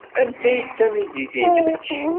Anta ay d tamidit-nnek?